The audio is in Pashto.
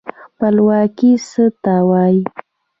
خپلواکي څه ته وايي؟